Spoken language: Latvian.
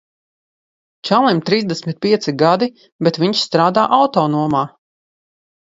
Čalim trīsdesmit pieci gadi, bet viņš strādā autonomā.